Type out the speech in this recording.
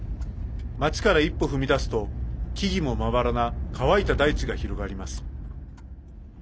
町から一歩踏み出すと木々もまばらな乾いた大地が広がります。